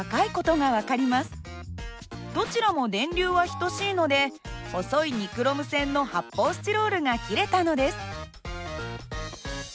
どちらも電流は等しいので細いニクロム線の発泡スチロールが切れたのです。